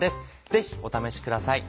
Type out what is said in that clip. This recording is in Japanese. ぜひお試しください。